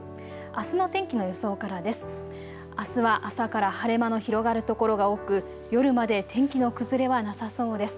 あすは朝から晴れ間の広がる所が多く、夜まで天気の崩れはなさそうです。